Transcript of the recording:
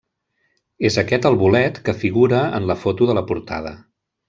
És aquest el bolet que figura en la foto de la portada.